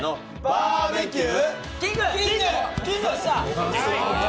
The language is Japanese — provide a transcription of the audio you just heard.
バーベキュー！